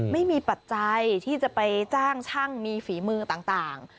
ปัจจัยที่จะไปจ้างช่างมีฝีมือต่าง